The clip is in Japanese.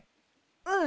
うん。